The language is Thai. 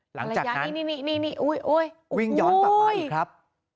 หลังจากนั้นวิ่งย้อนต่อไปอีกครับ